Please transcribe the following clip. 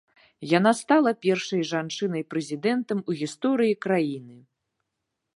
Яна стала першай жанчынай-прэзідэнтам у гісторыі краіны.